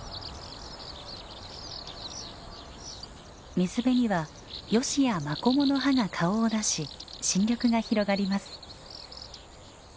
水辺にはヨシやマコモの葉が顔を出し新緑が広がります。